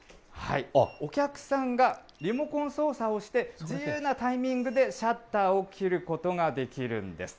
お客さんがリモコン操作をして、自由なタイミングでシャッターを切ることができるんです。